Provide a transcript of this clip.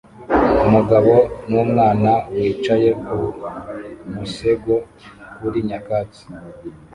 Umugabo n'umwana bicaye ku musego kuri nyakatsi